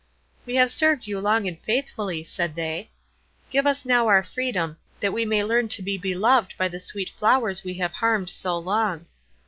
"We have served you long and faithfully," said they, "give us now our freedom, that we may learn to be beloved by the sweet flowers we have harmed so long.